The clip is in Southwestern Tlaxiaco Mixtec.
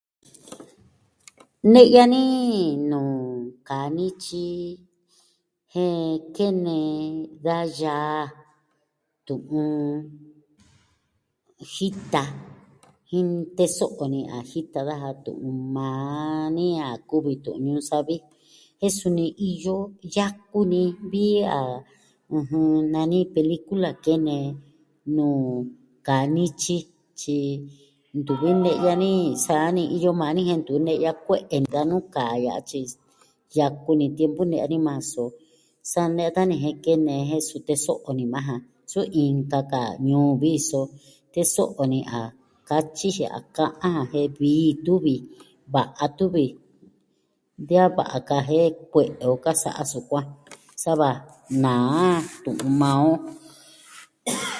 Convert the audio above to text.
Ne'ya ni nuu kaa nityi. Jen kene da yaa... tu'un... jita, jin, teso'o ni a jita daja tu'un ma ni a kuvi tu'un ñuu savi. Jen suni iyo yaku ni vi a, ɨjɨn, nani pelikula kene nuu kaa nityi. Tyi, nutvi ne'ya ni sa ni iyo maa ni, jen ntu ne'ya kue'e danu ka ya'a tyi yaku ni tiempo ni a ni maa so. Sa nee daja nee jen kene jen su teso'o ni maa ja. Su, inka ka ñuu vi, so teso'o ni a katyi jia'an ka'an jan, jen vii tu vi, va'a tu vi. De a va'a ka jen, kue'e o ka sa'a sukuan. Sava naa tu'un maa on.